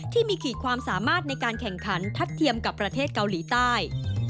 ที่มีขีดความสามารถในการแข่งขันทัดเทียมกับประเทศเกาหลีใต้